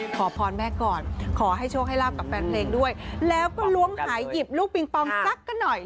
ขอพรแม่ก่อนขอให้โชคให้ลาบกับแฟนเพลงด้วยแล้วก็ล้วงหายหยิบลูกปิงปองสักกันหน่อย